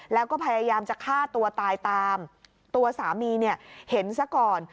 แล้วก็พยายามจะฆ่าตัวตายตามตัวสามีเนี่ยเห็นซะก่อน